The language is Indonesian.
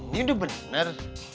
ini udah benar